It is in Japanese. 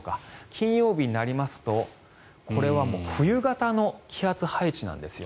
金曜日になるとこれは冬型の気圧配置なんです。